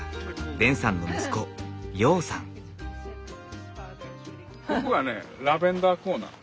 ここはねラベンダーコーナー。